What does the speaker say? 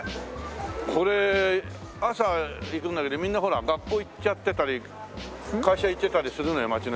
これ朝行くんだけどみんなほら学校行っちゃってたり会社行ってたりするのよ街の人が。